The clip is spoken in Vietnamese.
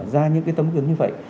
ra những tấm gương như vậy